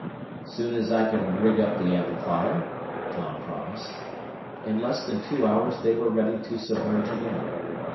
"Soon as I can rig up the amplifier," Tom promised. In less than two hours they were ready to submerge again.